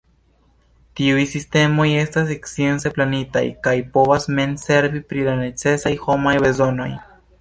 Tiuj sistemoj estas science planitaj kaj povas mem servi pri la necesaj homaj bezonoj.